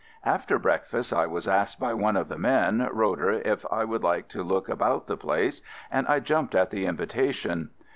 After break fast I was asked by one of the men, Roe der, if I would like to look about the place, and I jumped at the invitation.